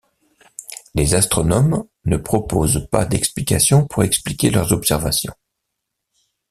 Les astronomes ne proposent pas d'explication pour expliquer leurs observations.